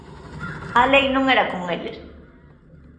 A lei non era con eles.